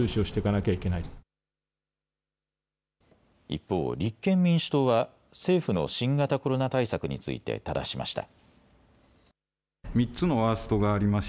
一方、立憲民主党は政府の新型コロナ対策についてただしました。